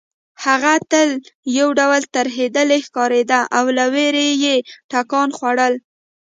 هغه تل یو ډول ترهېدلې ښکارېده او له وېرې یې ټکان خوړل